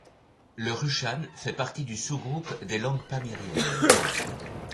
Le rushan fait partie du sous-groupe des langues pamiriennes.